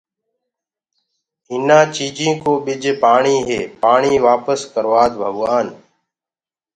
اٚينآ چيٚجينٚ ڪو ٻج پآڻيٚ هي پآڻيٚ وآپس ڪرَوآد ڀگوآن